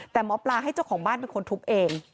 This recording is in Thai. แต่หมอปลาให้เจ้าของบ้านเป็นคนทุบเอง